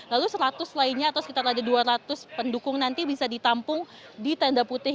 lalu seratus lainnya atau sekitar ada dua ratus pendukung nanti bisa ditampung di tenda putih